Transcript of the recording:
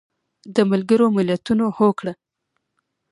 د ملګرو ملتونو هوکړه